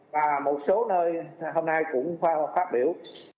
và một số nơi hôm nay cũng phát biểu